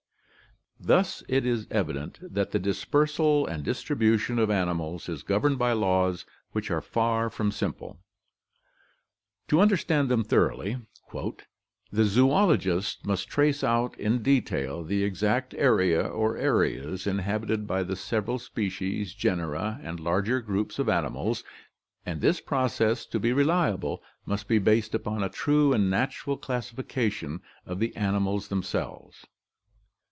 Thus it is evident that the dispersal and distribution of animals is governed by laws which are far from simple. To understand them thoroughly "the zoologist must trace out in de tail the exact area or areas inhabited by the several species, genera, and larger groups of animals, and this process to be reliable must be based upon a true and natural classification of the animals themselves.